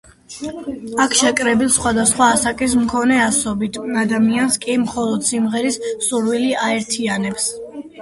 აქ შეკრებილ სხვადასხვა ასაკის მქონე ასობით ადამიანს კი მხოლოდ სიმღერის სურვილი აერთიანებს.